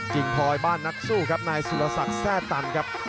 กิ่งพลอยบ้านนักสู้ครับนายสุรสัตว์แซ่ตันครับ